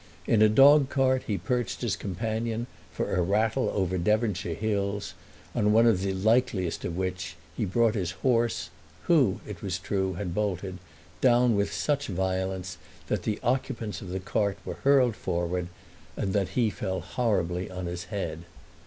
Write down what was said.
In a dogcart he perched his companion for a rattle over Devonshire hills, on one of the likeliest of which he brought his horse, who, it was true, had bolted, down with such violence that the occupants of the cart were hurled forward and that he fell horribly on his head.